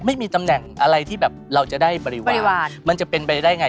ไม่มีตำแหน่งอะไรที่แบบเราจะได้บริวารมันจะเป็นไปได้ไง